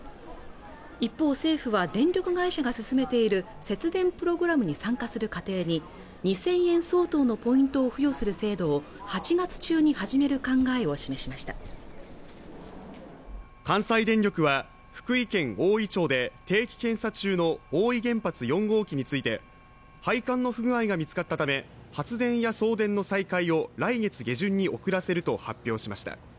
一方政府は電力会社が進めている節電プログラムに参加する家庭に２０００円相当のポイント付与する制度を８月中に始める考えを示しました関西電力は福井県大飯町で定期検査中の大飯原発４号機について配管の不具合が見つかったため発電や送電の再開を来月下旬に遅らせると発表しました